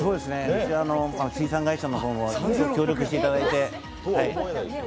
うち、水産会社の方にも協力していただいて。